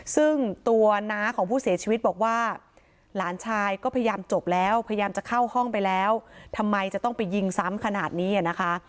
ซึ่งตัวน้าของผู้เสียชีวิตบอกว่าหลานชายก็พยายามจบแล้วพยายามจะเข้าห้องไปแล้วทำไมจะต้องไปยิงซ้ำขนาดนี้อ่ะนะคะ